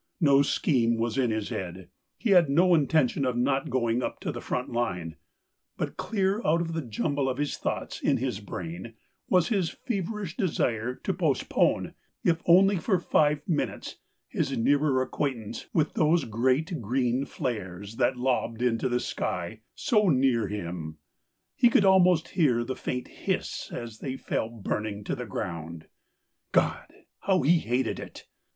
No scheme was in his head ; he had no intention of not going up to the front line ; but clear out of the jumble of thoughts in his brain was his feverish desire to postpone if only for five minutes his nearer acquaintance with those great green flares that lobbed into the sky so near him. He could almost hear the faint hiss as they fell burning to the ground. God ! how he hated it